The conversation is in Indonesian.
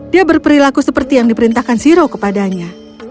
dia berperilaku seperti yang diperintahkan siro kepadanya